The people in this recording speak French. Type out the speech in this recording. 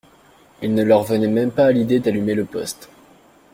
Il ne leur venait même pas à l’idée d’allumer le poste.